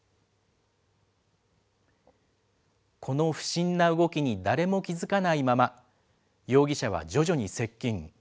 この不審な動きに誰も気づかないまま、容疑者は徐々に接近。